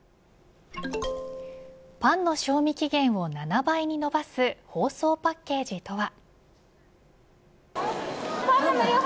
パンの賞味期限を７倍にのばす包装パッケージとは。